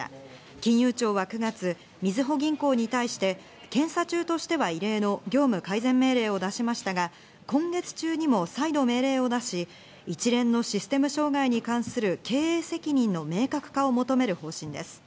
金融庁は９月、みずほ銀行に対して検査中としては異例の業務改善命令を出しましたが、今月中にも再度命令を出し、一連のシステム障害に関する経営責任の明確化を求める方針です。